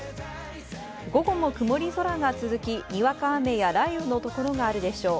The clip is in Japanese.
午後も曇り空が続き、にわか雨や雷雨の所があるでしょう。